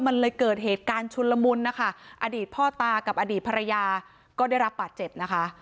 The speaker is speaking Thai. มันเลยเกิดเหตุการณ์ชุนละมุนนะคะอดีตพ่อตากับอดีตภรรยาก็ได้รับบาดเจ็บนะคะ